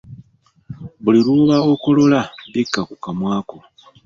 Buli lw’oba okolola, bikka ku kamwa ko